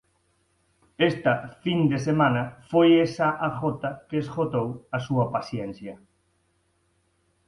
Esta fin de semana foi esa a gota que esgotou a súa paciencia.